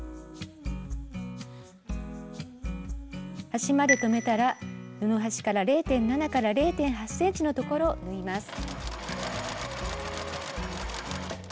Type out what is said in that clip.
端まで留めたら布端から０．７０．８ｃｍのところを縫います。